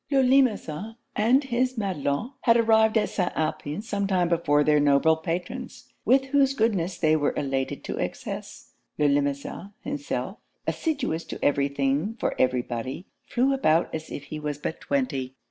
Le Limosin and his Madelon had arrived at St. Alpin some time before their noble patrons, with whose goodness they were elated to excess. Le Limosin himself, assiduous to do every thing for every body, flew about as if he was but twenty.